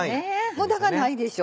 無駄がないでしょ